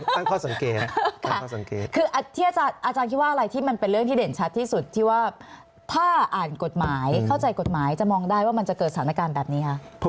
ตั้งข้อสังเกตคือที่อาจารย์คิดว่าอะไรที่มันเป็นเรื่องที่เด่นชัดที่สุดที่ว่าถ้าอ่านกฎหมายเข้าใจกฎหมายจะมองได้ว่ามันจะเกิดสถานการณ์แบบนี้คะ